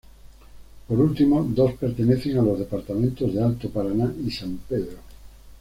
Por último, dos pertenecen a los departamentos de Alto Paraná y San Pedro.